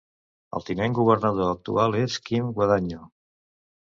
El tinent governador actual és Kim Guadagno.